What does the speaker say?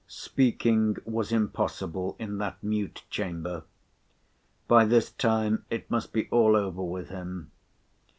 Speaking was impossible in that mute chamber. By this time it must be all over with him.